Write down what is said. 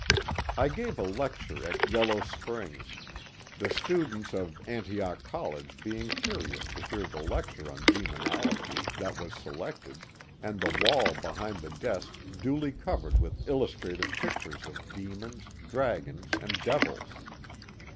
I gave a lecture at Yellow Springs ; the students of An tioch College being curious to hear the lecture on Demon ology, that was selected, and the wall behind the desk duly covered with illustrative pictures of demons, dragons, and devils.